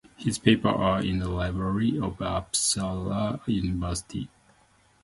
His papers are in the Library of Uppsala University.